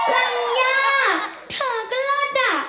ลังยากเธอก็เลิศอะ